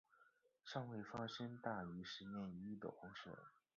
尚未发生大于十年一遇的洪水。